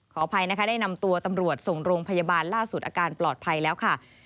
ขออภัยนะคะได้นำตัวตำรวจส่งโรงพยาบาลล่าสุดอาการปลอดภัยแล้วค่ะ